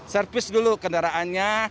servis dulu kendaraannya